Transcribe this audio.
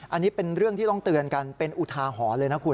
อันนี้เป็นเรื่องที่ต้องเตือนกันเป็นอุทาหรณ์เลยนะคุณ